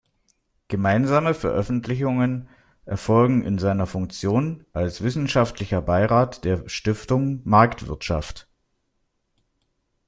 Gemeinsame Veröffentlichungen erfolgen in seiner Funktion als wissenschaftlicher Beirat der Stiftung Marktwirtschaft.